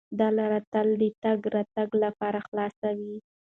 دا لاره تل د تګ راتګ لپاره خلاصه وي.